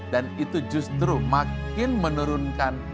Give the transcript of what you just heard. dan itu justru makin menurunkan